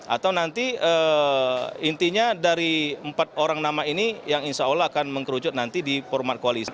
atau nanti intinya dari empat orang nama ini yang insya allah akan mengkerucut nanti di format koalisi